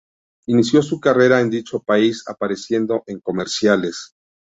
Inició su carrera en dicho país apareciendo en comerciales.